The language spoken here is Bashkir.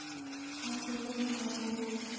Ҡарруо, ҡарруо!